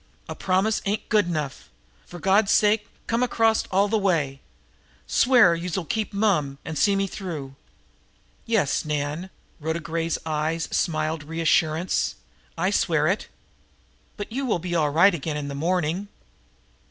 "A promise ain't good enough! For Gawd's sake, come across all de way! Swear youse'll keep mum an' see me through!" "Yes, Nan" Rhoda Gray's eyes smiled reassurance "I swear it. But you will be all right again in the morning."